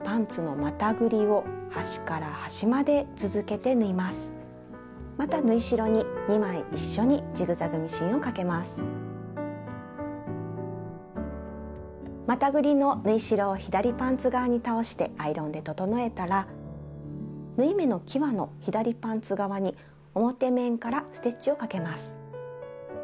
またぐりの縫い代を左パンツ側に倒してアイロンで整えたら縫い目のきわの左パンツ側に表面からステッチをかけます。